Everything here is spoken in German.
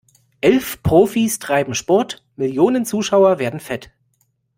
Elf Profis treiben Sport, Millionen Zuschauer werden fett.